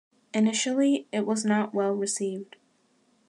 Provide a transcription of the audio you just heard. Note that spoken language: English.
Initially, it was not well received.